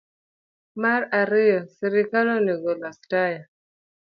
Mar ariyo, sirkal onego olos taya